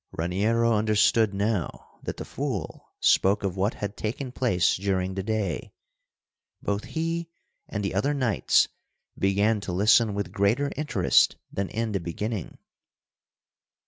'" Raniero understood now that the fool spoke of what had taken place during the day. Both he and the other knights began to listen with greater interest than in the beginning.